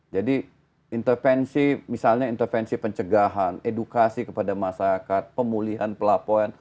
jadi intervensi misalnya intervensi pencegahan edukasi kepada masyarakat pemulihan pelaporan